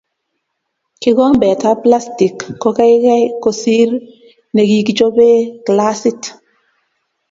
Kikombetab plastic ko kekei kosir nekikichobee glasit.